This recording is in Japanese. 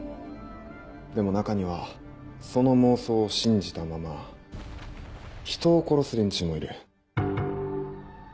でも中にはその妄想を信じたまま人を殺す連中もいる。